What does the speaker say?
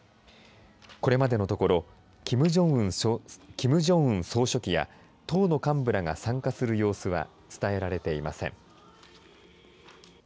これまでのところキム・ジョンウン総書記や党の幹部らが参加する様子は伝えられていません。